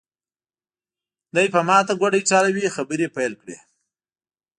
دی په ماته ګوډه ایټالوي خبرې پیل کړې.